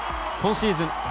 今シーズン